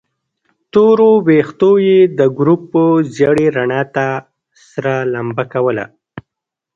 تورو ويښتو يې د ګروپ ژېړې رڼا ته سره لمبه کوله.